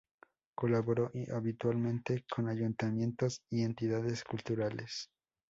Colabora habitualmente con Ayuntamientos y entidades culturales.